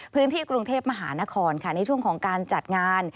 พื้นที่กรุงเทพมหานครค่ะในช่วงของการจัดงาน